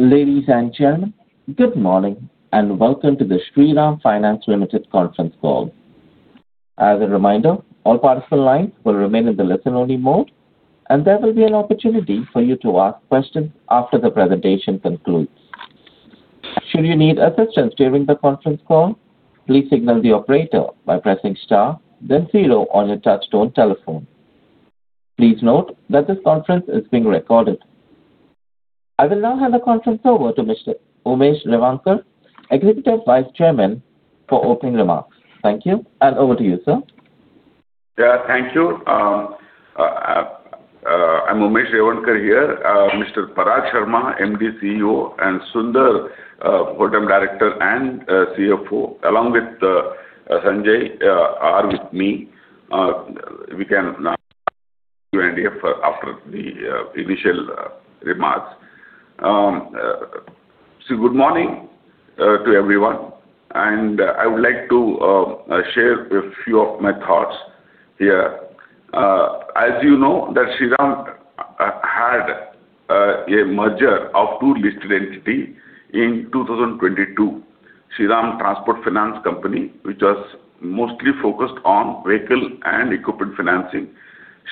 Ladies and gentlemen, good morning and welcome to the Shriram Finance Limited Conference Call. As a reminder, all participants will remain in the listen-only mode, and there will be an opportunity for you to ask questions after the presentation concludes. Should you need assistance during the conference call, please signal the operator by pressing star, then zero on your touch-tone telephone. Please note that this conference is being recorded. I will now hand the conference over to Mr. Umesh Revankar, Executive Vice Chairman, for opening remarks. Thank you, and over to you, sir. Yeah, thank you. I'm Umesh Revankar here. Mr. Parag Sharma, MD CEO, and S. Sunder, Director and CFO, along with Sanjay, are with me. We can now go after the initial remarks. Good morning to everyone, and I would like to share a few of my thoughts here. As you know, Shriram had a merger of two listed entities in 2022. Shriram Transport Finance Company, which was mostly focused on vehicle and equipment financing.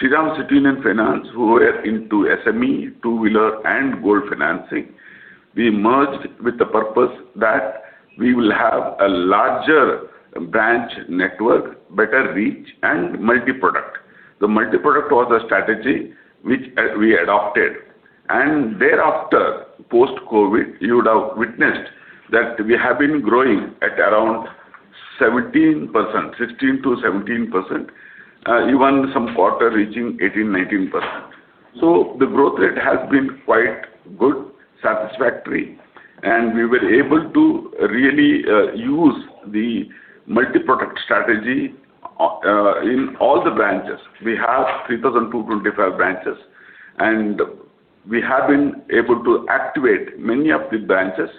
Shriram City Union Finance, who were into SME, two-wheeler, and gold financing. We merged with the purpose that we will have a larger branch network, better reach, and multi-product. The multi-product was a strategy which we adopted, and thereafter, post COVID, you would have witnessed that we have been growing at around 17%, 16%-17%, even some quarter reaching 18%-19%. The growth rate has been quite good, satisfactory, and we were able to really use the multi-product strategy in all the branches. We have 3,225 branches, and we have been able to activate many of the branches,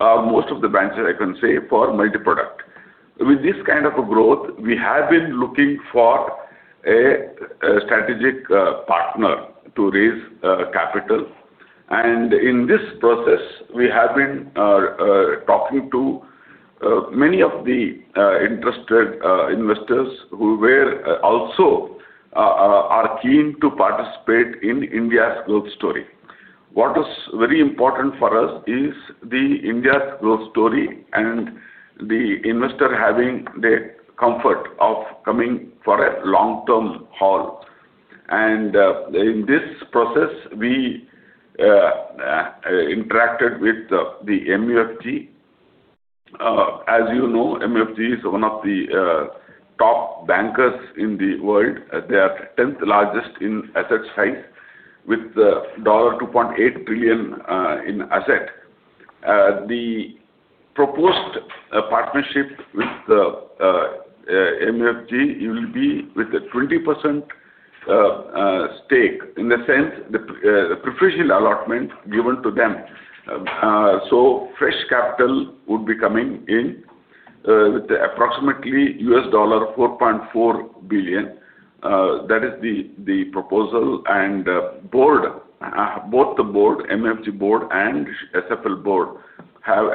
most of the branches, I can say, for multi-product. With this kind of growth, we have been looking for a strategic partner to raise capital, and in this process, we have been talking to many of the interested investors who also are keen to participate in India's growth story. What is very important for us is India's growth story and the investor having the comfort of coming for a long-term haul. In this process, we interacted with the MUFG. As you know, MUFG is one of the top bankers in the world. They are the 10th largest in asset size with $2.8 trillion in assets. The proposed partnership with the MUFG will be with a 20% stake in the sense the provisional allotment given to them. So fresh capital would be coming in with approximately $4.4 billion. That is the proposal, and both the MUFG board and SFL board have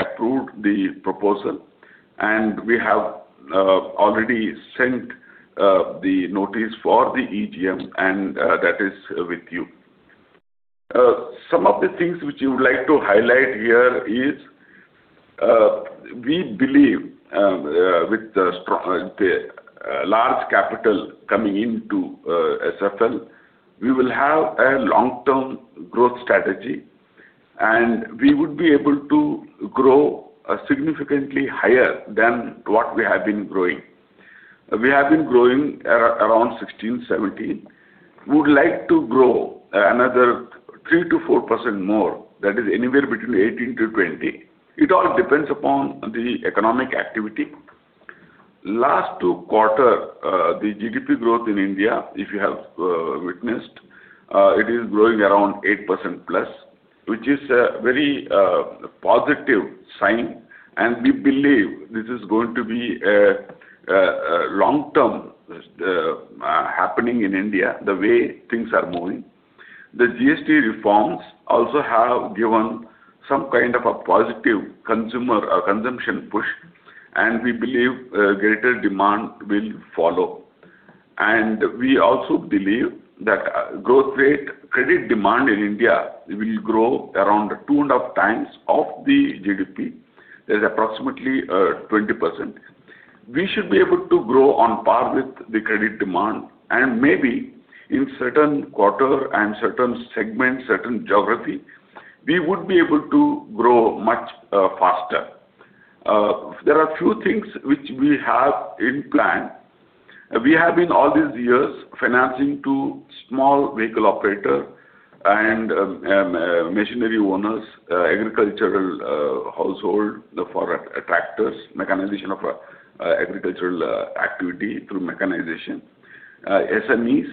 approved the proposal, and we have already sent the notice for the EGM, and that is with you. Some of the things which you would like to highlight here is we believe with the large capital coming into SFL, we will have a long-term growth strategy, and we would be able to grow significantly higher than what we have been growing. We have been growing around 16%-17%. We would like to grow another 3%-4% more. That is anywhere between 18%-20%. It all depends upon the economic activity. last two quarters, the GDP growth in India, if you have witnessed, it is growing around 8%+, which is a very positive sign, and we believe this is going to be a long-term happening in India the way things are moving. The GST reforms also have given some kind of a positive consumer consumption push, and we believe greater demand will follow. We also believe that growth rate, credit demand in India will grow around 2.5x of the GDP. There's approximately 20%. We should be able to grow on par with the credit demand, and maybe in certain quarters and certain segments, certain geography, we would be able to grow much faster. There are a few things which we have in plan. We have been all these years financing to small vehicle operators and machinery owners, agricultural household for tractors, mechanization of agricultural activity through mechanization, SMEs.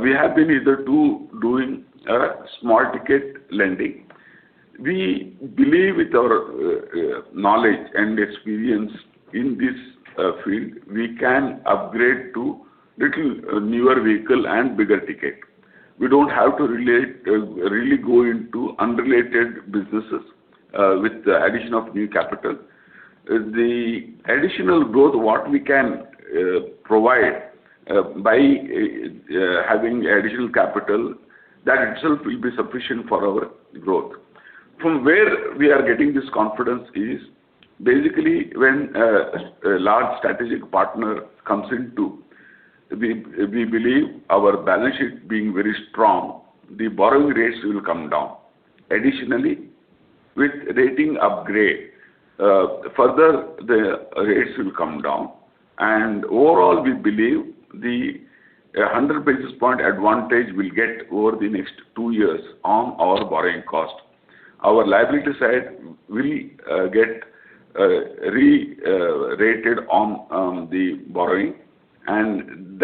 We have been either doing small ticket lending. We believe with our knowledge and experience in this field, we can upgrade to little newer vehicle and bigger ticket. We don't have to really go into unrelated businesses with the addition of new capital. The additional growth, what we can provide by having additional capital, that itself will be sufficient for our growth. From where we are getting this confidence is basically when a large strategic partner comes into, we believe our balance sheet being very strong, the borrowing rates will come down. Additionally, with rating upgrade, further the rates will come down, and overall, we believe the 100 basis points advantage will get over the next two years on our borrowing cost. Our liability side will get rerated on the borrowing, and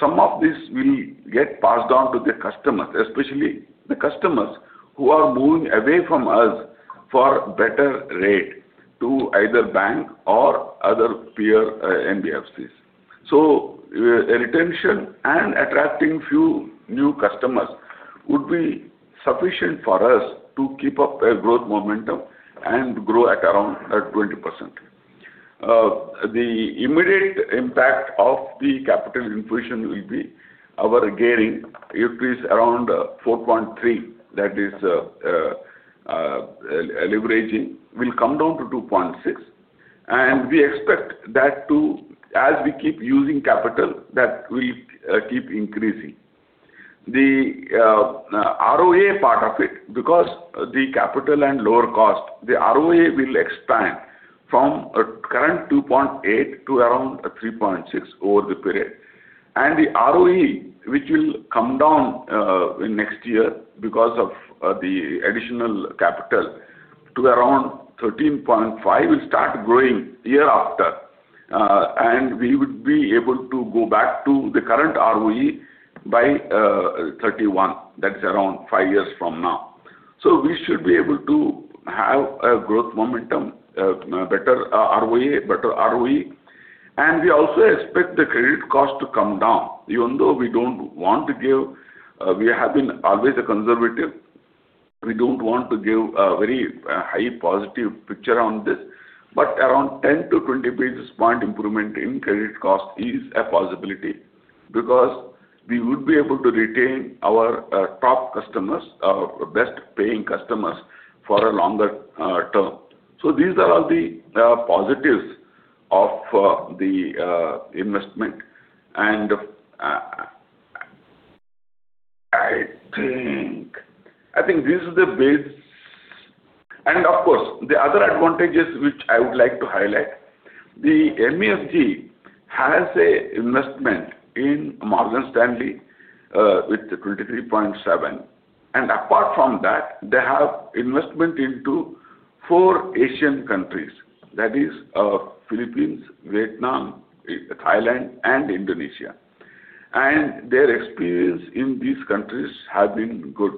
some of this will get passed on to the customers, especially the customers who are moving away from us for better rate to either bank or other peer NBFCs. So retention and attracting few new customers would be sufficient for us to keep up the growth momentum and grow at around 20%. The immediate impact of the capital infusion will be our gearing increase around 4.3. That is leveraging will come down to 2.6x, and we expect that as we keep using capital, that will keep increasing. The ROA part of it, because the capital and lower cost, the ROA will expand from current 2.8% to around 3.6% over the period, and the ROE, which will come down next year because of the additional capital to around 13.5%, will start growing year after, and we would be able to go back to the current ROE by 2031. That's around five years from now. So we should be able to have a growth momentum, better ROA, better ROE, and we also expect the credit cost to come down. Even though we don't want to give, we have been always a conservative. We don't want to give a very high positive picture on this, but around 10-20 basis point improvement in credit cost is a possibility because we would be able to retain our top customers, our best paying customers for a longer term. These are all the positives of the investment, and I think this is the base. Of course, the other advantages which I would like to highlight, MUFG has an investment in Morgan Stanley with 23.7%, and apart from that, they have investment into four Asian countries. That is Philippines, Vietnam, Thailand, and Indonesia, and their experience in these countries has been good.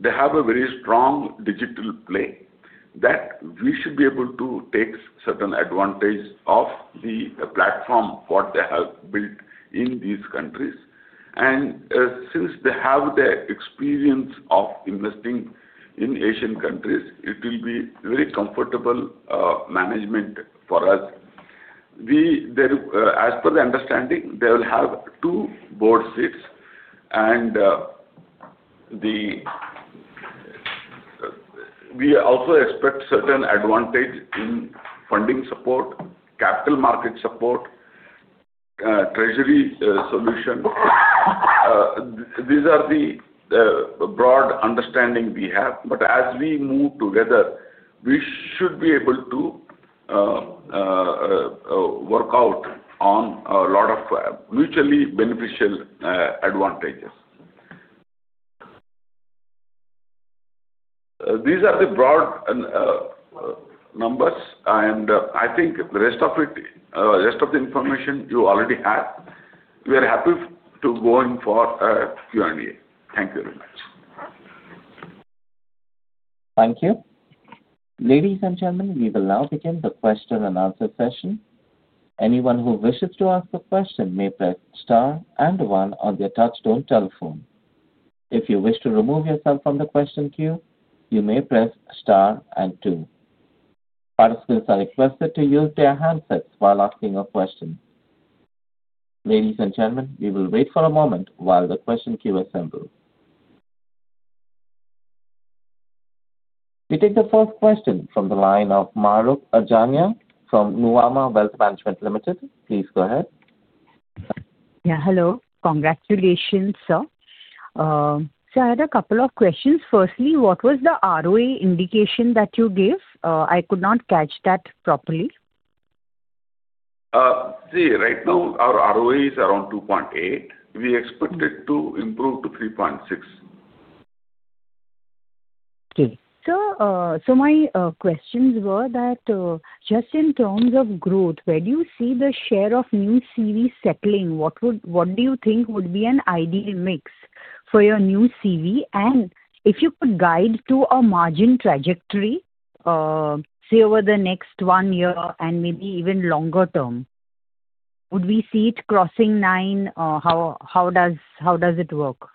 They have a very strong digital play that we should be able to take certain advantage of the platform what they have built in these countries, and since they have the experience of investing in Asian countries, it will be very comfortable management for us. As per the understanding, they will have two board seats, and we also expect certain advantage in funding support, capital market support, treasury solution. These are the broad understanding we have, but as we move together, we should be able to work out on a lot of mutually beneficial advantages. These are the broad numbers, and I think the rest of it, the rest of the information you already had. We are happy to go in for a Q&A. Thank you very much. Thank you. Ladies and gentlemen, we will now begin the question and answer session. Anyone who wishes to ask a question may press star and one on their touch-tone telephone. If you wish to remove yourself from the question queue, you may press star and two. Participants are requested to use their handsets while asking a question. Ladies and gentlemen, we will wait for a moment while the question queue assembles. We take the first question from the line of Mahrukh Adajania from Nuvama Wealth Management Limited. Please go ahead. Yeah, hello. Congratulations, sir. So I had a couple of questions. Firstly, what was the ROA indication that you gave? I could not catch that properly. See, right now our ROA is around 2.8%. We expected to improve to 3.6%. Okay. So my questions were that just in terms of growth, where do you see the share of new CVs settling? What do you think would be an ideal mix for your new CV? And if you could guide to a margin trajectory, say over the next one year and maybe even longer term, would we see it crossing nine? How does it work?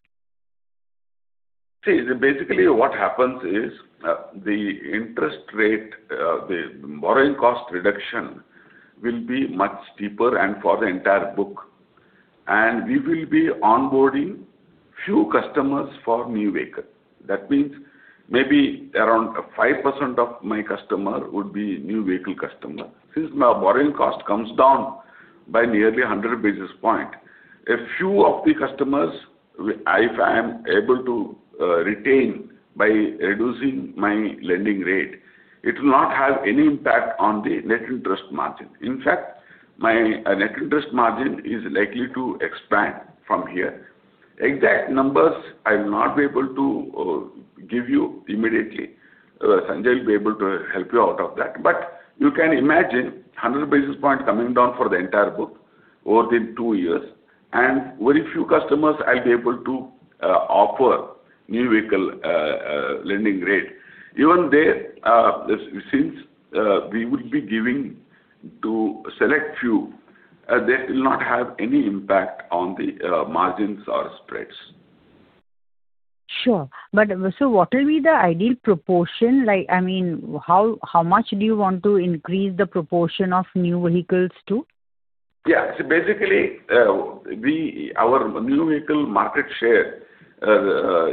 See, basically what happens is the interest rate, the borrowing cost reduction will be much deeper and for the entire book, and we will be onboarding few customers for new vehicles. That means maybe around 5% of my customers would be new vehicle customers. Since my borrowing cost comes down by nearly 100 basis points, a few of the customers, if I am able to retain by reducing my lending rate, it will not have any impact on the net interest margin. In fact, my net interest margin is likely to expand from here. Exact numbers I will not be able to give you immediately. Sanjay will be able to help you out of that, but you can imagine 100 basis points coming down for the entire book over the two years, and very few customers I'll be able to offer new vehicle lending rate. Even there, since we would be giving to a select few, that will not have any impact on the margins or spreads. Sure, but so what will be the ideal proportion? I mean, how much do you want to increase the proportion of new vehicles to? Yeah. So basically, our new vehicle market share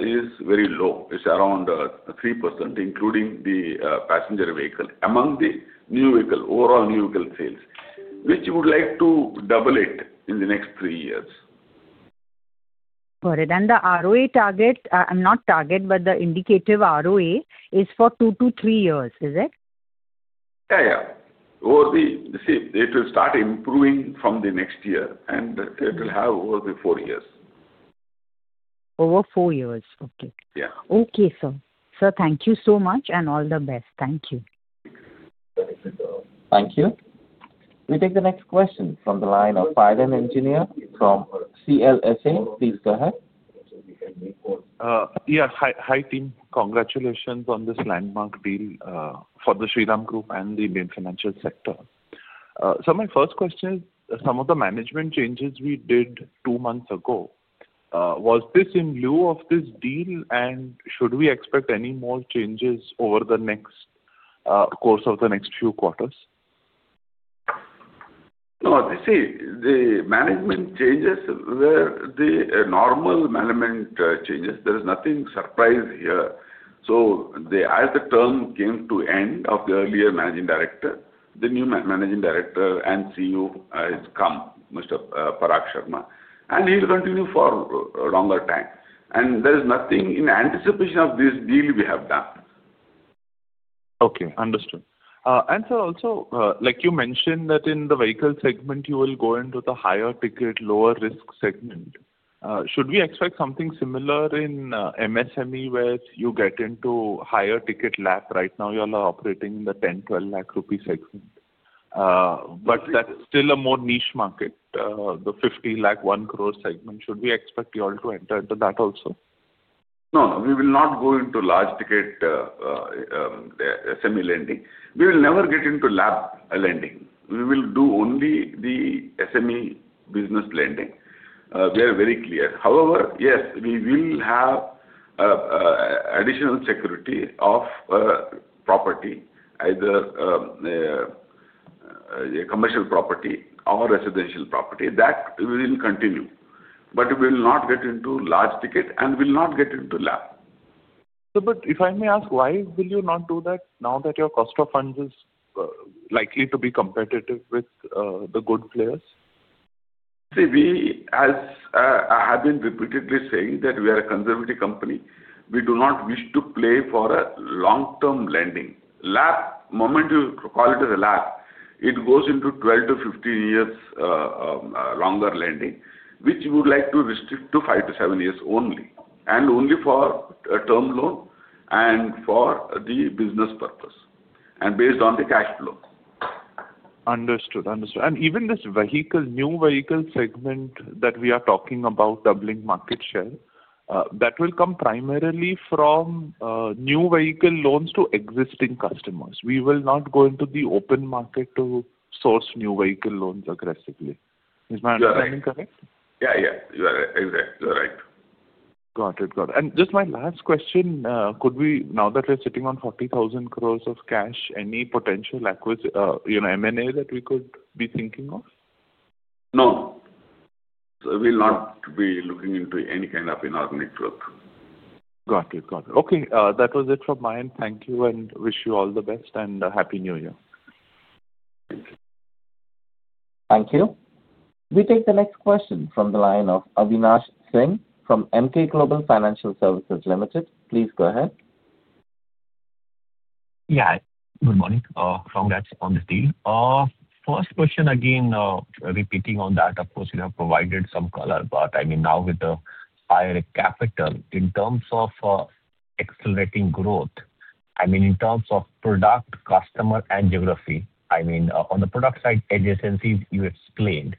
is very low. It's around 3%, including the passenger vehicle among the new vehicle overall new vehicle sales, which we would like to double it in the next three years. Got it. And the ROA target, not target, but the indicative ROA is for two to three years, is it? Yeah, yeah. See, it will start improving from the next year, and it will have over the four years. Over four years. Okay. Yeah. Okay, sir. Sir, thank you so much and all the best. Thank you. Thank you. We take the next question from the line of Piran Engineer from CLSA. Please go ahead. Yeah. Hi, team. Congratulations on this landmark deal for the Shriram Group and the Indian financial sector. So my first question is, some of the management changes we did two months ago, was this in lieu of this deal, and should we expect any more changes over the course of the next few quarters? Oh, see, the management changes were the normal management changes. There is nothing surprising here. So as the term came to an end of the earlier managing director, the new Managing Director and CEO has come, Mr. Parag Sharma, and he will continue for a longer time. There is nothing in anticipation of this deal we have done. Okay. Understood. And sir, also, like you mentioned that in the vehicle segment, you will go into the higher ticket, lower risk segment. Should we expect something similar in MSME where you get into higher ticket LAP? Right now, you all are operating in the 10-12 lakh rupee segment, but that's still a more niche market, the 50 lakh-1 crore segment. Should we expect you all to enter into that also? No, we will not go into large ticket SME lending. We will never get into LAP lending. We will do only the SME business lending. We are very clear. However, yes, we will have additional security of property, either commercial property or residential property. That will continue, but we will not get into large ticket and will not get into LAP. Sir, but if I may ask, why will you not do that now that your cost of funds is likely to be competitive with the good players? See, we have been repeatedly saying that we are a conservative company. We do not wish to play for a long-term lending. LAP, moment you call it as a LAP, it goes into 12-15 years longer lending, which we would like to restrict to five-seven years only and only for a term loan and for the business purpose and based on the cash flow. Understood. Understood. And even this vehicle, new vehicle segment that we are talking about, doubling market share, that will come primarily from new vehicle loans to existing customers. We will not go into the open market to source new vehicle loans aggressively. Is my understanding correct? Yeah, yeah. You are exactly right. Got it. Got it. And just my last question, now that we're sitting on 40,000 crores of cash, any potential M&A that we could be thinking of? No. So we will not be looking into any kind of inorganic growth. Got it. Got it. Okay. That was it from my end. Thank you and wish you all the best and a happy New Year. Thank you. Thank you. We take the next question from the line of Avinash Singh from Emkay Global Financial Services Limited. Please go ahead. Yeah. Good morning. Congrats on this deal. First question, again, repeating on that, of course, you have provided some color, but I mean, now with the higher capital, in terms of accelerating growth, I mean, in terms of product, customer, and geography, I mean, on the product side, adjacencies, you explained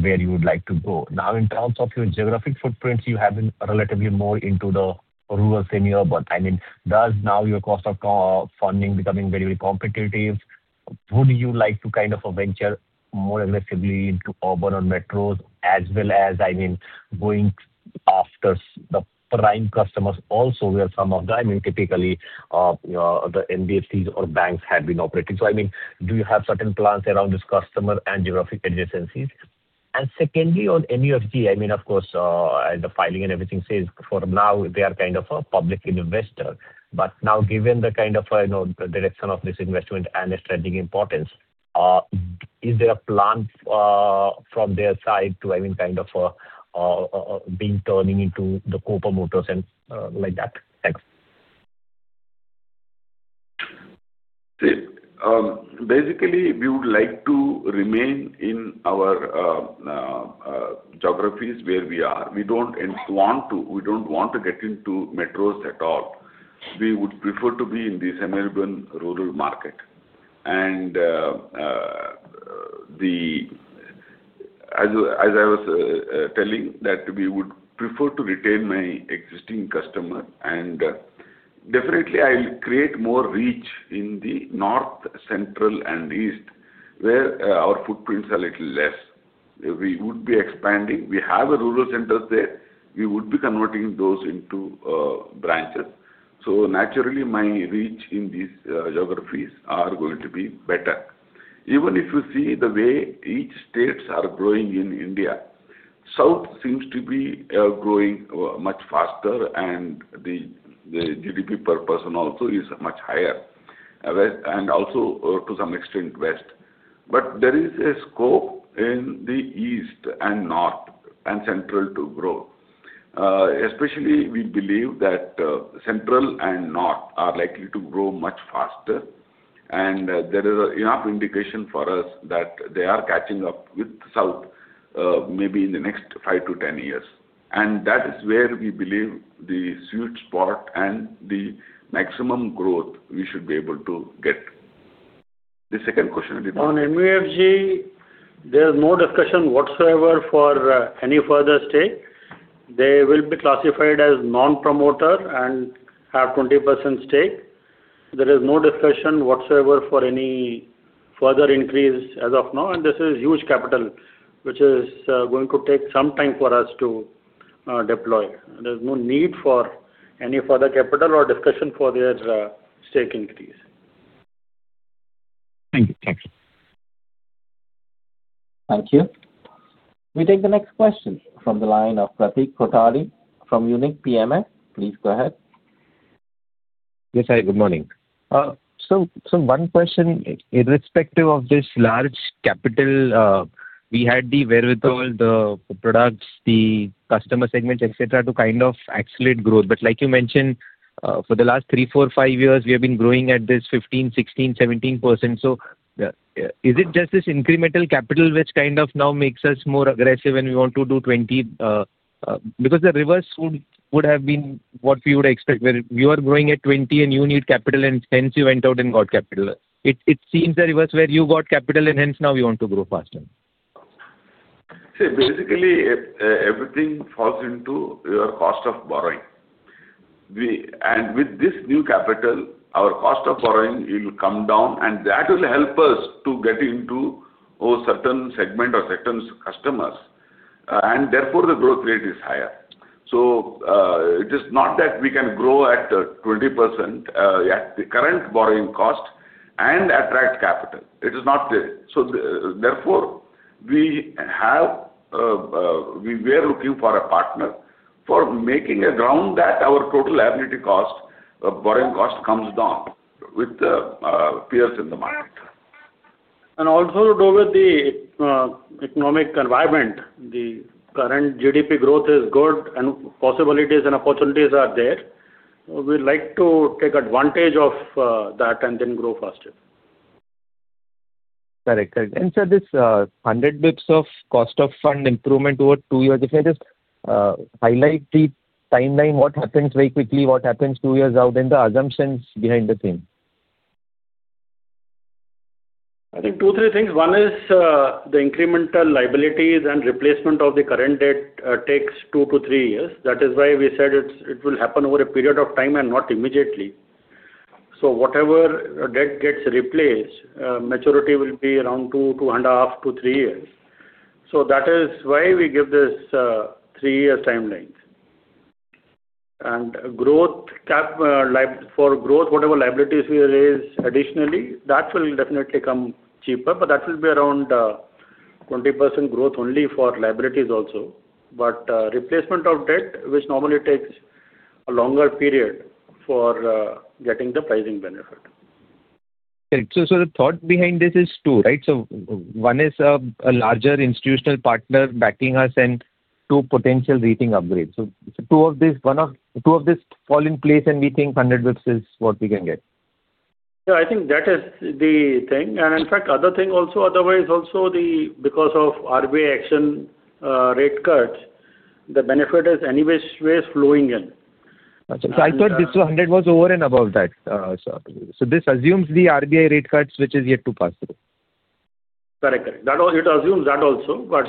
where you would like to go. Now, in terms of your geographic footprints, you have been relatively more into the rural semi-urban. I mean, does now your cost of funding becoming very, very competitive? Would you like to kind of venture more aggressively into urban or metro as well as, I mean, going after the prime customers also where some of the, I mean, typically the NBFCs or banks have been operating? So I mean, do you have certain plans around this customer and geographic adjacencies? Secondly, on MUFG, I mean, of course, the filing and everything says for now they are kind of a public investor, but now given the kind of direction of this investment and the strategic importance, is there a plan from their side to, I mean, kind of being turning into the co-promoters and like that? Thanks. See, basically, we would like to remain in our geographies where we are. We don't want to get into metros at all. We would prefer to be in the suburban rural market, and as I was telling, that we would prefer to retain my existing customer, and definitely, I'll create more reach in the north, central, and east where our footprints are a little less. We would be expanding. We have rural centers there. We would be converting those into branches, so naturally, my reach in these geographies is going to be better. Even if you see the way each states are growing in India, south seems to be growing much faster, and the GDP per person also is much higher, and also to some extent west, but there is a scope in the east and north and central to grow. Especially, we believe that central and north are likely to grow much faster, and there is enough indication for us that they are catching up with south maybe in the next 5 to 10 years, and that is where we believe the sweet spot and the maximum growth we should be able to get. The second question. On MUFG, there is no discussion whatsoever for any further stake. They will be classified as non-promoter and have 20% stake. There is no discussion whatsoever for any further increase as of now, and this is huge capital, which is going to take some time for us to deploy. There is no need for any further capital or discussion for their stake increase. Thank you. Thanks. Thank you. We take the next question from the line of Pratik Kothari from Unique PMS. Please go ahead. Yes, hi. Good morning. Sir, one question irrespective of this large capital, we had the wherewithal, the products, the customer segments, etc., to kind of accelerate growth. But like you mentioned, for the last three, four, five years, we have been growing at this 15%, 16%, 17%. So is it just this incremental capital which kind of now makes us more aggressive and we want to do 20%? Because the reverse would have been what we would expect where you are growing at 20% and you need capital, and hence you went out and got capital. It seems the reverse where you got capital, and hence now we want to grow faster. See, basically, everything falls into your cost of borrowing, and with this new capital, our cost of borrowing will come down, and that will help us to get into a certain segment or certain customers, and therefore the growth rate is higher. It is not that we can grow at 20% at the current borrowing cost and attract capital. It is not there, so therefore, we were looking for a partner for making ground that our total liability cost, borrowing cost, comes down with the peers in the market. Also, do with the, economic environment, the current GDP growth is good, and possibilities and opportunities are there. We would like to take advantage of that and then grow faster. Correct. Correct. And, sir, this 100 basis points of cost of fund improvement over two years. If I just highlight the timeline, what happens very quickly, what happens two years out, and the assumptions behind the scenes. I think two, three things. One is the incremental liabilities and replacement of the current debt takes two to three years. That is why we said it will happen over a period of time and not immediately, so whatever debt gets replaced, maturity will be around two, two and a half, two to three years, so that is why we give this three-year timeline and for growth, whatever liabilities we raise additionally, that will definitely come cheaper, but that will be around 20% growth only for liabilities also, but replacement of debt, which normally takes a longer period for getting the pricing benefit. Correct. So the thought behind this is two, right? So one is a larger institutional partner backing us and two potential rating upgrades. So two of these, one of two of these fall in place, and we think 100 basis points is what we can get. Yeah. I think that is the thing. And in fact, other thing also, otherwise also, because of RBI action rate cuts, the benefit is anyways flowing in. I thought this 100 was over and above that. So this assumes the RBI rate cuts, which is yet to pass through. Correct. Correct. It assumes that also. But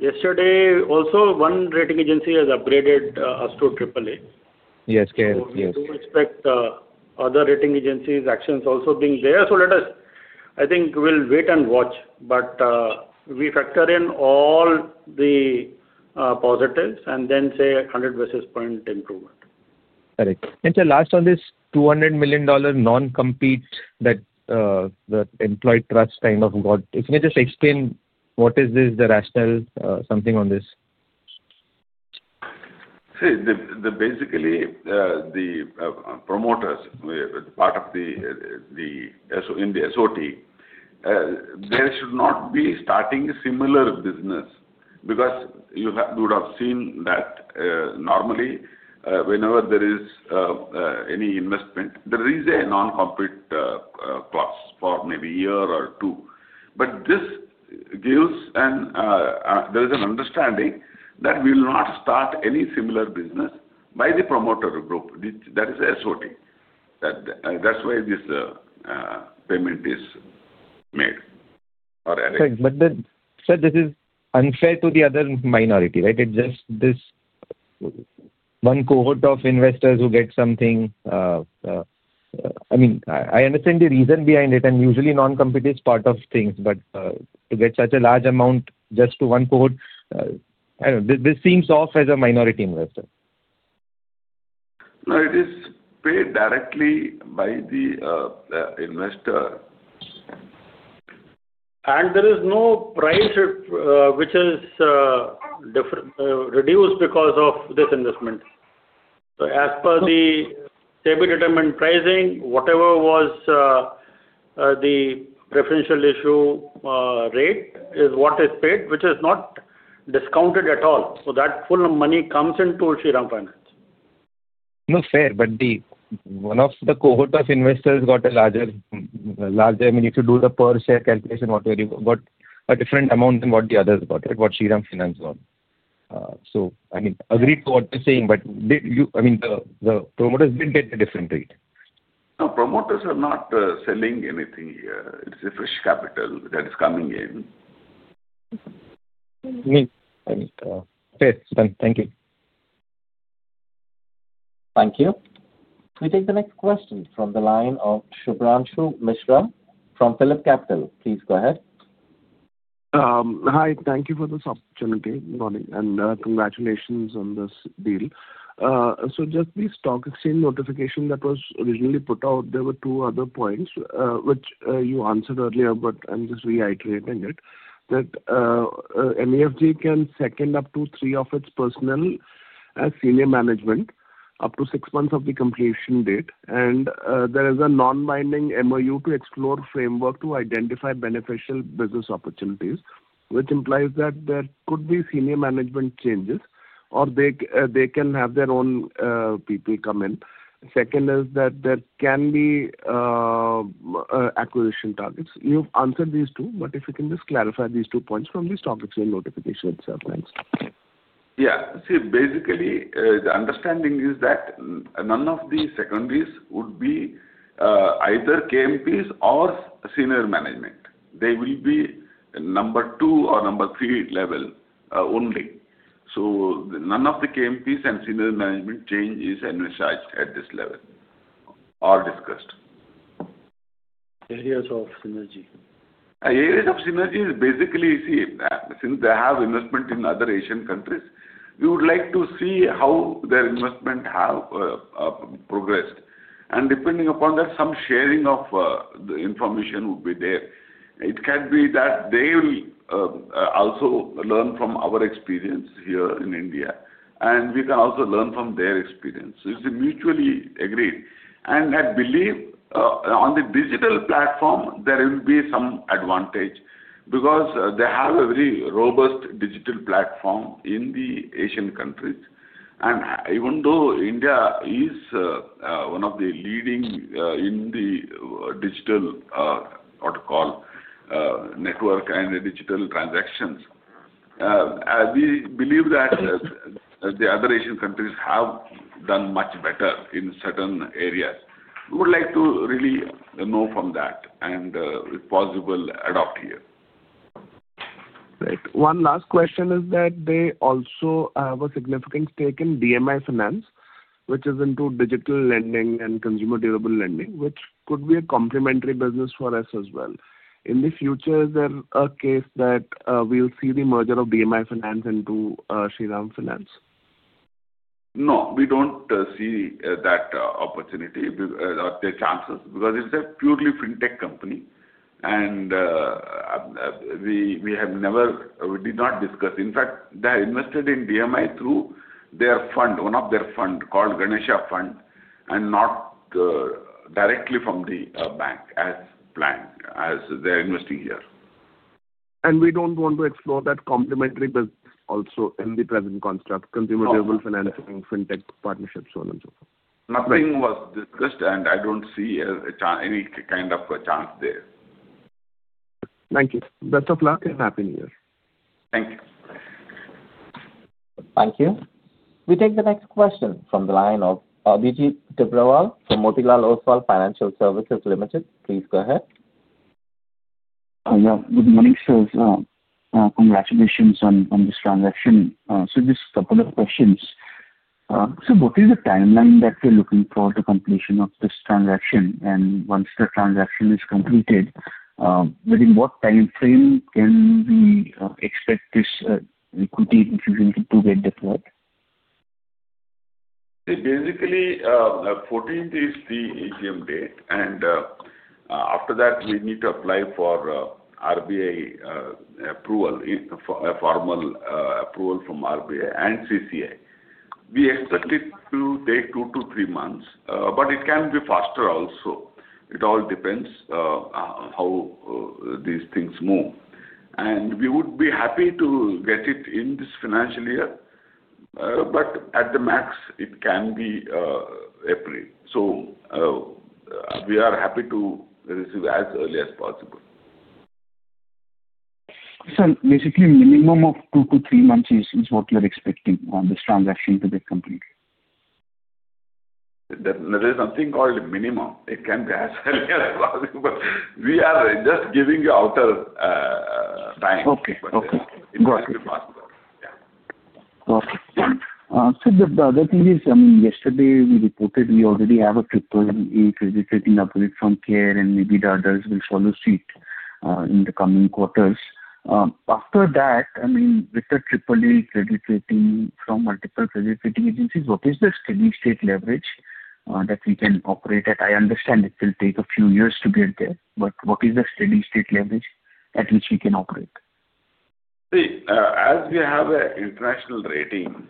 yesterday, also one rating agency has upgraded us to AAA. Yes. Correct. Yes. So we do expect other rating agencies' actions also being there. So I think we'll wait and watch, but we factor in all the positives and then say 100 basis point improvement. Correct. Sir, last on this $200 million non-compete that the employee trust kind of got, if you can just explain what is this, the rationale, something on this. See, basically, the promoters, part of the SOT, there should not be starting a similar business because you would have seen that normally whenever there is any investment, there is a non-compete clause for maybe a year or two. But this gives. And there is an understanding that we will not start any similar business by the promoter group. That is the SOT. That's why this payment is made. Correct. But sir, this is unfair to the other minority, right? It's just this one cohort of investors who get something. I mean, I understand the reason behind it, and usually non-compete is part of things, but to get such a large amount just to one cohort, this seems off as a minority investor. No, it is paid directly by the investor. There is no price which is reduced because of this investment. As per the SEBI determined pricing, whatever was the preferential issue rate is what is paid, which is not discounted at all. That full money comes into Shriram Finance. Not fair. But one of the cohort of investors got a larger, I mean, if you do the per share calculation, whatever you got, a different amount than what the others got, right? What Shriram Finance got. So, I mean, agree to what you're saying, but I mean, the promoters did get a different rate. No, promoters are not selling anything here. It's a fresh capital that is coming in. Okay. Thank you. Thank you. We take the next question from the line of Shubhranshu Mishra from PhillipCapital. Please go ahead. Hi. Thank you for this opportunity. Good morning. And congratulations on this deal. So just this stock exchange notification that was originally put out, there were two other points which you answered earlier, but I'm just reiterating it, that MUFG can second up to three of its personnel as senior management up to six months of the completion date, and there is a non-binding MOU to explore framework to identify beneficial business opportunities, which implies that there could be senior management changes or they can have their own people come in. Second is that there can be acquisition targets. You've answered these two, but if you can just clarify these two points from this stock exchange notification, sir. Thanks. Yeah. See, basically, the understanding is that none of the secondaries would be either KMPs or senior management. They will be number two or number three level only. So none of the KMPs and senior management changes are discussed at this level. Areas of synergy. Areas of synergy is basically, see, since they have investment in other Asian countries, we would like to see how their investment has progressed. And depending upon that, some sharing of the information would be there. It can be that they will also learn from our experience here in India, and we can also learn from their experience. So it's mutually agreed. And I believe on the digital platform, there will be some advantage because they have a very robust digital platform in the Asian countries. And even though India is one of the leading in the digital network and digital transactions, we believe that the other Asian countries have done much better in certain areas. We would like to really know from that and, if possible, adopt here. Right. One last question is that they also have a significant stake in DMI Finance, which is into digital lending and consumer durable lending, which could be a complementary business for us as well. In the future, is there a case that we'll see the merger of DMI Finance into Shriram Finance? No, we don't see that opportunity or the chances because it's a purely fintech company, and we did not discuss. In fact, they have invested in DMI through their fund, one of their funds called Ganesha Fund, and not directly from the bank as planned as they're investing here. We don't want to explore that complementary business also in the present construct, Consumer Durable Financing, fintech partnerships, so on and so forth. Nothing was discussed, and I don't see any kind of chance there. Thank you. Best of luck and happy New Year. Thank you. Thank you. We take the next question from the line of Abhijit Tibrewal from Motilal Oswal Financial Services Limited. Please go ahead. Hello. Good morning, sir. Congratulations on this transaction. So just a couple of questions. So what is the timeline that we're looking for the completion of this transaction? And once the transaction is completed, within what timeframe can we expect this equity distribution to get deployed? See, basically, 14th is the AGM date, and after that, we need to apply for RBI approval, formal approval from RBI and CCI. We expect it to take two to three months, but it can be faster also. It all depends on how these things move. And we would be happy to get it in this financial year, but at the max, it can be April. So we are happy to receive as early as possible. Sir, basically, minimum of two to three months is what you're expecting on this transaction to get completed? There is nothing called minimum. It can be as early as possible. We are just giving you outer time. Okay. Okay. Got it. It can be faster. Yeah. Got it. Sir, the other thing is, I mean, yesterday we reported we already have a AAA credit rating upgrade from CARE, and maybe the others will follow suit in the coming quarters. After that, I mean, with the AAA credit rating from multiple credit rating agencies, what is the steady-state leverage that we can operate at? I understand it will take a few years to get there, but what is the steady-state leverage at which we can operate? See, as we have an international rating,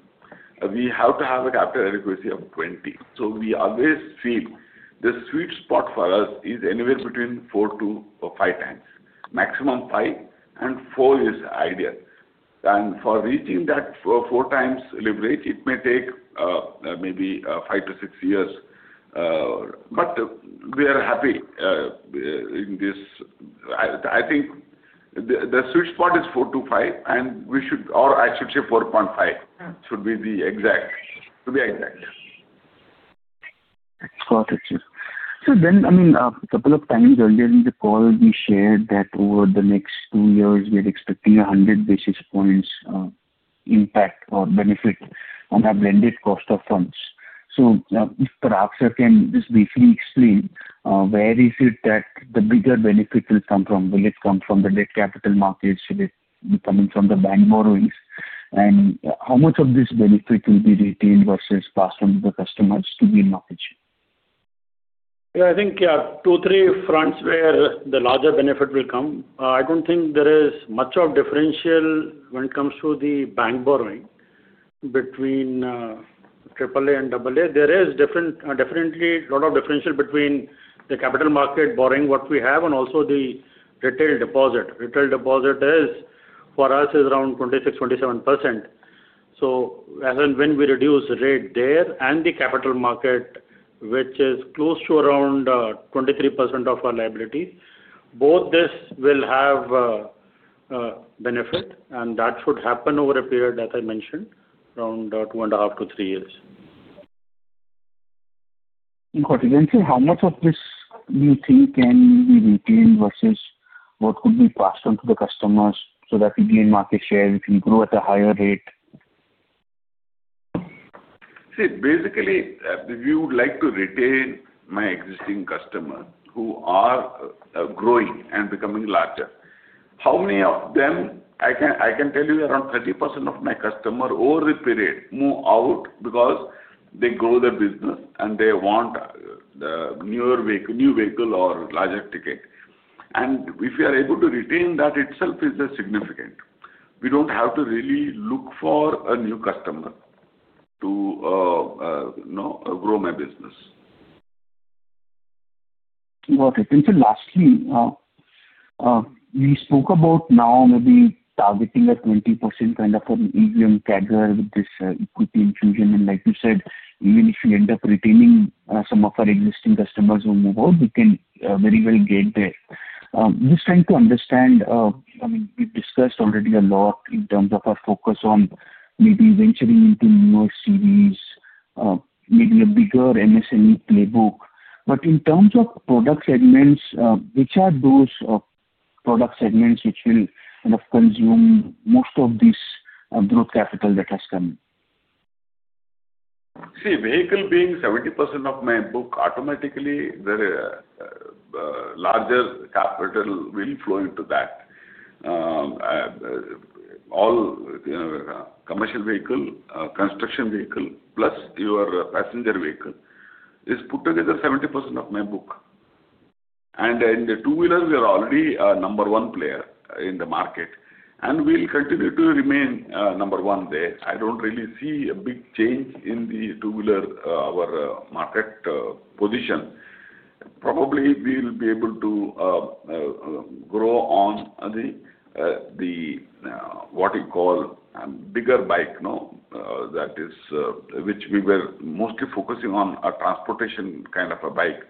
we have to have it after a requisite of 20. So we always feel the sweet spot for us is anywhere between four to five times, maximum five, and four is ideal. And for reaching that four times leverage, it may take maybe five to six years. But we are happy in this. I think the sweet spot is four to five, and we should, or I should say 4.5 should be the exact. Got it, sir. So then, I mean, a couple of times earlier in the call, we shared that over the next two years, we are expecting 100 basis points impact or benefit on our lending cost of funds. So if perhaps you can just briefly explain where is it that the bigger benefit will come from? Will it come from the debt capital market? Should it be coming from the bank borrowings? And how much of this benefit will be retained versus passed on to the customers to be in market share? Yeah. I think two, three fronts where the larger benefit will come. I don't think there is much of differential when it comes to the bank borrowing between AAA and AA. There is definitely a lot of differential between the capital market borrowing, what we have, and also the retail deposit. Retail deposit for us is around 26%-27%. So as and when we reduce the rate there and the capital market, which is close to around 23% of our liabilities, both this will have benefit, and that should happen over a period, as I mentioned, around two and a half to three years. Got it. And sir, how much of this do you think can be retained versus what could be passed on to the customers so that we gain market share if we grow at a higher rate? See, basically, if you would like to retain my existing customers who are growing and becoming larger, how many of them? I can tell you around 30% of my customers over a period move out because they grow their business and they want a new vehicle or larger ticket. And if you are able to retain that, itself is significant. We don't have to really look for a new customer to grow my business. Got it. And sir, lastly, we spoke about now maybe targeting a 20% kind of an AUM CAGR with this equity infusion. And like you said, even if we end up losing some of our existing customers who move out, we can very well get there. Just trying to understand, I mean, we've discussed already a lot in terms of our focus on maybe venturing into newer geographies, maybe a bigger MSME playbook. But in terms of product segments, which are those product segments which will kind of consume most of this growth capital that has come in? See, vehicle being 70% of my book, automatically the larger capital will flow into that. All commercial vehicle, construction vehicle, plus your passenger vehicle is put together 70% of my book. And in the two-wheelers, we are already a number one player in the market, and we'll continue to remain number one there. I don't really see a big change in the two-wheeler market position. Probably we'll be able to grow on the what you call a bigger bike that is which we were mostly focusing on a transportation kind of a bike.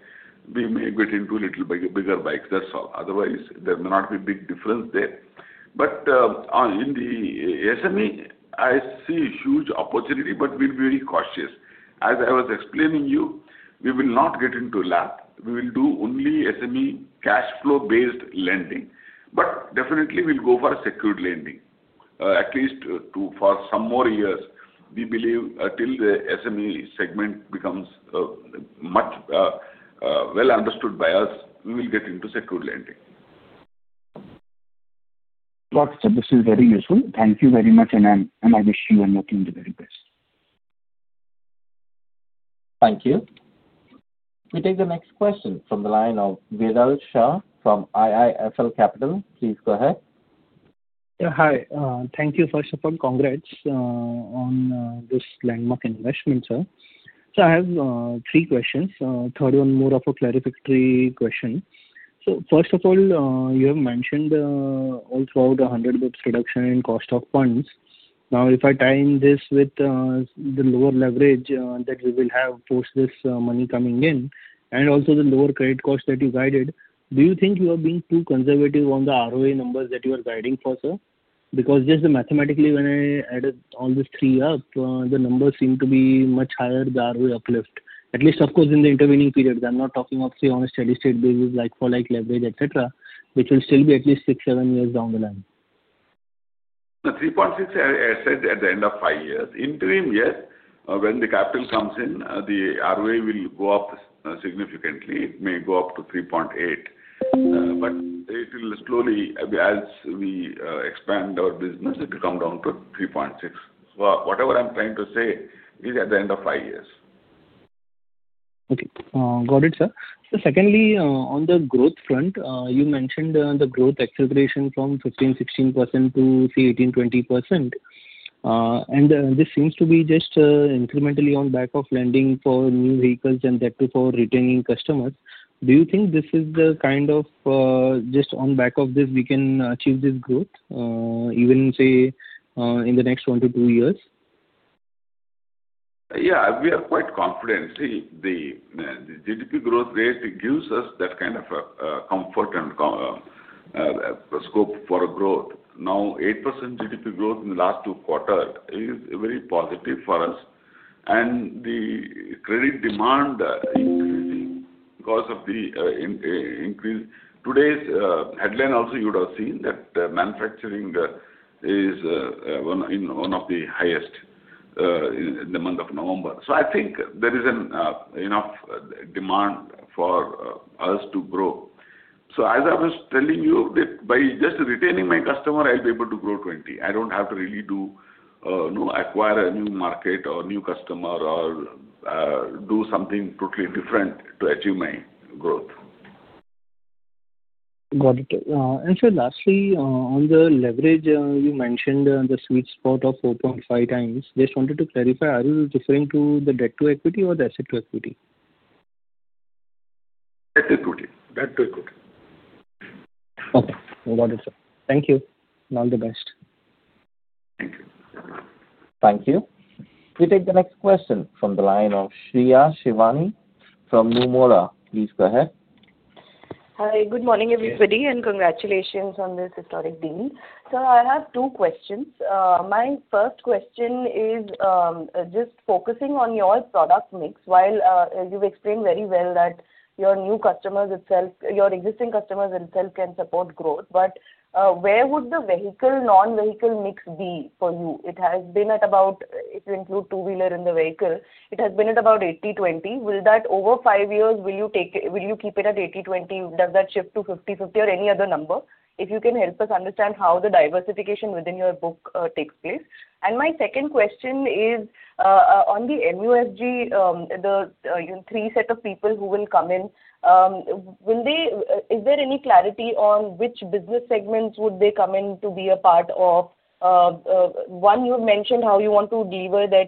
We may get into a little bigger bike. That's all. Otherwise, there may not be a big difference there. But in the SME, I see a huge opportunity, but we'll be very cautious. As I was explaining you, we will not get into LAP. We will do only SME cash flow-based lending. But definitely, we'll go for a secured lending, at least for some more years. We believe until the SME segment becomes much well understood by us, we will get into secured lending. Got it. This is very useful. Thank you very much, and I wish you and your team the very best. Thank you. We take the next question from the line of Viral Shah from IIFL Capital. Please go ahead. Yeah. Hi. Thank you. First of all, congrats on this landmark investment, sir. So I have three questions. Third one, more of a clarificatory question. So first of all, you have mentioned all throughout 100 basis points reduction in cost of funds. Now, if I tie in this with the lower leverage that we will have post this money coming in, and also the lower credit cost that you guided, do you think you are being too conservative on the ROA numbers that you are guiding for, sir? Because just mathematically, when I added all these three up, the numbers seem to be much higher the ROA uplift. At least, of course, in the intervening period. I'm not talking of, say, on a steady-state basis like for like leverage, etc., which will still be at least six, seven years down the line. The 3.6, I said at the end of five years. In the interim year, when the capital comes in, the ROA will go up significantly. It may go up to 3.8, but it will slowly, as we expand our business, it will come down to 3.6. So whatever I'm trying to say is at the end of five years. Okay. Got it, sir. So secondly, on the growth front, you mentioned the growth acceleration from 15%-16% to, say, 18%-20%. And this seems to be just incrementally on back of lending for new vehicles and that too for retaining customers. Do you think this is the kind of just on back of this, we can achieve this growth, even say in the next one to two years? Yeah. We are quite confident. See, the GDP growth rate gives us that kind of comfort and scope for growth. Now, 8% GDP growth in the last two quarters is very positive for us. And the credit demand increasing because of the increase. Today's headline also, you would have seen that manufacturing is one of the highest in the month of November. So I think there is enough demand for us to grow. So as I was telling you, by just retaining my customer, I'll be able to grow 20. I don't have to really do acquire a new market or new customer or do something totally different to achieve my growth. Got it. And sir, lastly, on the leverage, you mentioned the sweet spot of 4.5 times. Just wanted to clarify, are you referring to the debt to equity or the asset to equity? Debt to equity. Okay. Got it, sir. Thank you. All the best. Thank you. Thank you. We take the next question from the line of Shreya Shivani from Nomura. Please go ahead. Hi. Good morning, everybody, and congratulations on this historic deal. I have two questions. My first question is just focusing on your product mix. While you've explained very well that your existing customers themselves can support growth, but where would the vehicle-non-vehicle mix be for you? It has been at about, if you include two-wheeler in the vehicle, it has been at about 80/20. Over five years, will you keep it at 80/20? Does that shift to 50/50 or any other number? If you can help us understand how the diversification within your book takes place. My second question is on the MUFG, the three set of people who will come in, is there any clarity on which business segments would they come in to be a part of? One, you mentioned how you want to deliver their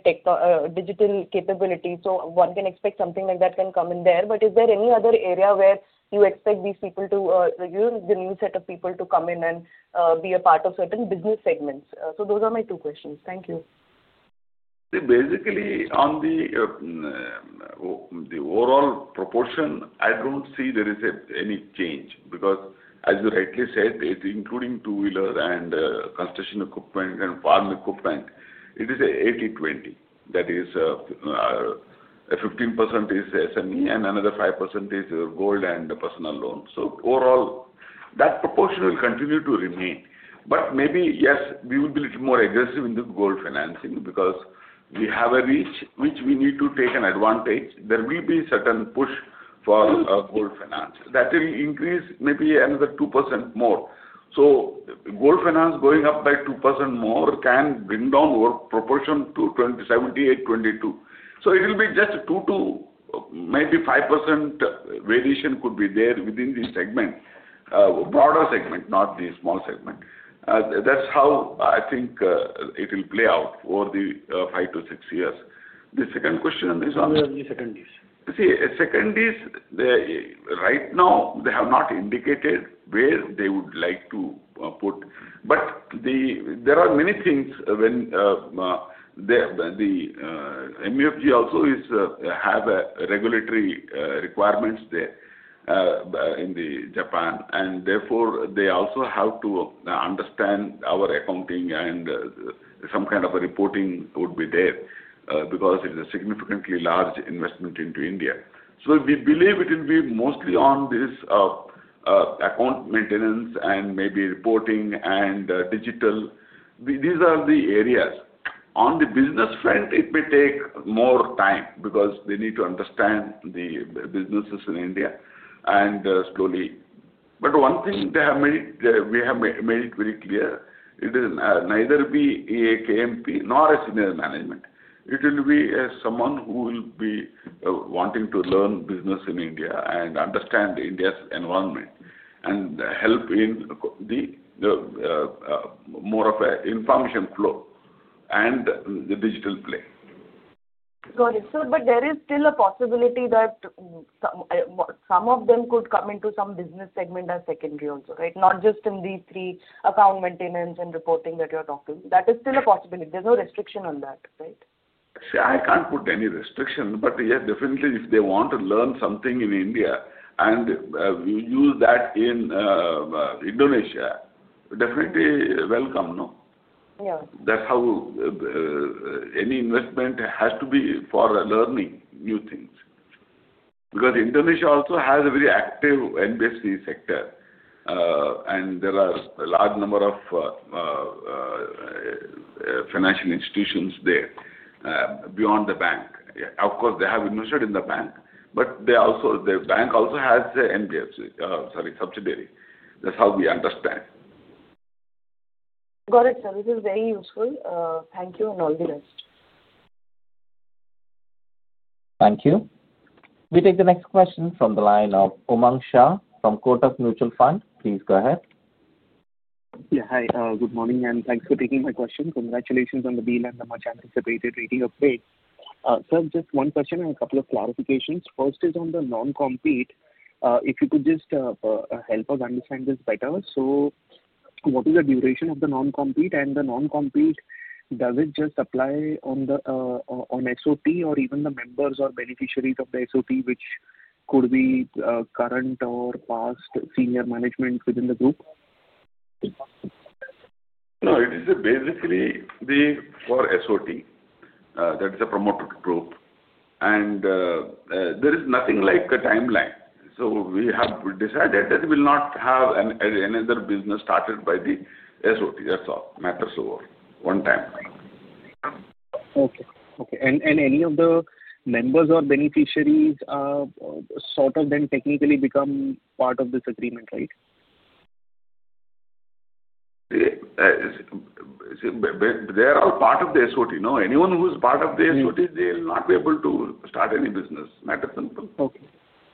digital capability. So one can expect something like that can come in there. But is there any other area where you expect these people to, the new set of people to come in and be a part of certain business segments? So those are my two questions. Thank you. See, basically, on the overall proportion, I don't see there is any change because, as you rightly said, including two-wheeler and construction equipment and farm equipment, it is 80/20. That is, 15% is SME and another 5% is gold and personal loans. So overall, that proportion will continue to remain. But maybe, yes, we will be a little more aggressive in the gold financing because we have a reach which we need to take an advantage. There will be a certain push for gold finance. That will increase maybe another 2% more. So gold finance going up by 2% more can bring down our proportion to 78/22. So it will be just 2 to maybe 5% variation could be there within the segment, broader segment, not the small segment. That's how I think it will play out over the five to six years. The second question is on. Where are the seconds? See, second, right now, they have not indicated where they would like to put. But there are many things when the MUFG also has regulatory requirements there in Japan. And therefore, they also have to understand our accounting and some kind of reporting would be there because it is a significantly large investment into India. So we believe it will be mostly on this account maintenance and maybe reporting and digital. These are the areas. On the business front, it may take more time because they need to understand the businesses in India and slowly. But one thing we have made very clear, it is neither a KMP nor a senior management. It will be someone who will be wanting to learn business in India and understand India's environment and help in more of an information flow and the digital play. Got it. But there is still a possibility that some of them could come into some business segment as secondary also, right? Not just in the three account maintenance and reporting that you are talking. That is still a possibility. There's no restriction on that, right? See, I can't put any restriction. But yes, definitely, if they want to learn something in India and we use that in Indonesia, definitely welcome. That's how any investment has to be for learning new things. Because Indonesia also has a very active NBFC sector, and there are a large number of financial institutions there beyond the bank. Of course, they have invested in the bank, but the bank also has NBFC, sorry, subsidiary. That's how we understand. Got it, sir. This is very useful. Thank you and all the best. Thank you. We take the next question from the line of Umang Shah from Kotak Mutual Fund. Please go ahead. Yeah. Hi. Good morning, and thanks for taking my question. Congratulations on the deal and the much-anticipated rating upgrade. Sir, just one question and a couple of clarifications. First is on the non-compete. If you could just help us understand this better. So what is the duration of the non-compete? And the non-compete, does it just apply on SOT or even the members or beneficiaries of the SOT, which could be current or past senior management within the group? No, it is basically for SOT. That is a promoter group. And there is nothing like a timeline. So we have decided that we will not have any other business started by the SOT. That's all. Matters over one time. Okay. Okay. And any of the members or beneficiaries sort of then technically become part of this agreement, right? They are all part of the SOT. Anyone who's part of the SOT, they will not be able to start any business. Makes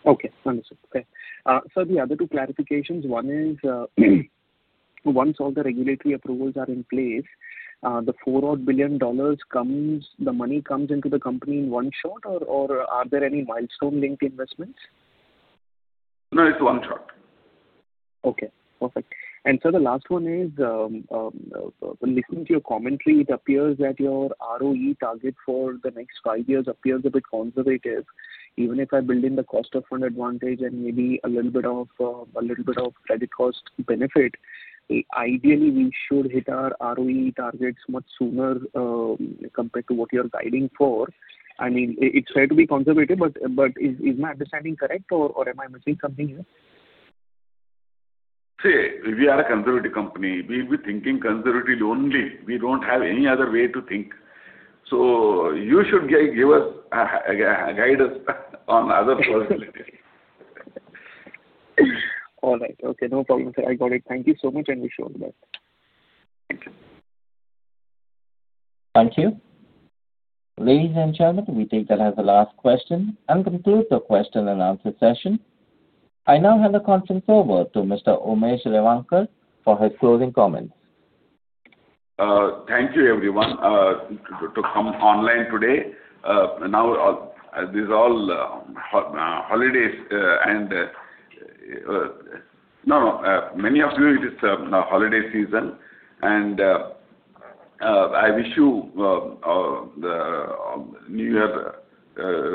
it simple. Sir, the other two clarifications. One is, once all the regulatory approvals are in place, the $4 billion comes, the money comes into the company in one shot, or are there any milestone-linked investments? No, it's one shot. Okay. Perfect, and sir, the last one is, listening to your commentary, it appears that your ROE target for the next five years appears a bit conservative. Even if I build in the cost of fund advantage and maybe a little bit of credit cost benefit, ideally, we should hit our ROE targets much sooner compared to what you're guiding for. I mean, it's fair to be conservative, but is my understanding correct, or am I missing something here? See, we are a conservative company. We'll be thinking conservatively only. We don't have any other way to think. So you should give us, guide us on other possibilities. All right. Okay. No problem, sir. I got it. Thank you so much, and we'll show you that. Thank you. Thank you. Ladies and gentlemen, we take that as the last question and conclude the question and answer session. I now hand the conference over to Mr. Umesh Revankar for his closing comments. Thank you, everyone, to come online today. Now, these are all holidays. Many of you, it is the holiday season, and I wish you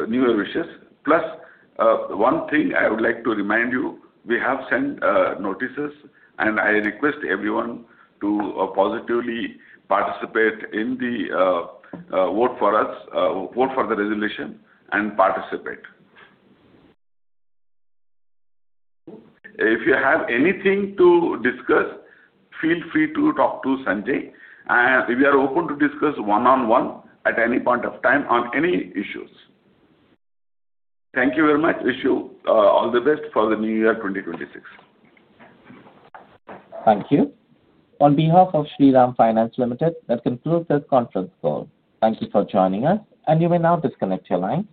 New Year wishes. Plus, one thing I would like to remind you: we have sent notices, and I request everyone to positively participate in the vote for us, vote for the resolution, and participate. If you have anything to discuss, feel free to talk to Sanjay, and we are open to discuss one-on-one at any point of time on any issues. Thank you very much. Wish you all the best for the New Year 2026. Thank you. On behalf of Shriram Finance Limited, that concludes this conference call. Thank you for joining us, and you may now disconnect your line.